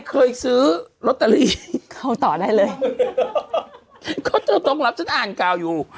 เขาต่อได้เลยเขาจะต้องรับฉันอ่านกล่าวอยู่